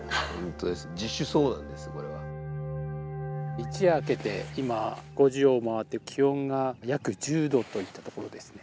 一夜明けて今５時を回って気温が約１０度といったところですね。